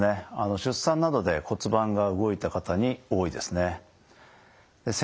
出産などで骨盤が動いた方に多いですね。